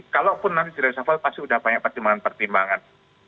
kalaupun nanti diresapel pasti udah banyak pertimbangan pertimbangan